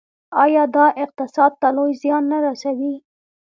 آیا دا اقتصاد ته لوی زیان نه رسوي؟